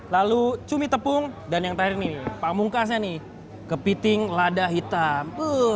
lalu cumi tepung dan yang terakhir nih pamungkasnya nih kepiting lada hitam